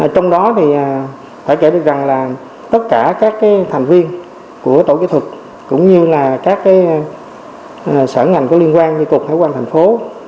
trong đó thì phải kể được rằng là tất cả các thành viên của tổ kỹ thuật cũng như là các sở ngành có liên quan như cục hải quan thành phố